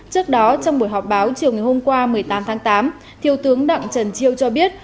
trước đó trong buổi họp báo chiều ngày hôm qua một mươi tám tháng tám thiếu tướng đặng trần triều cho biết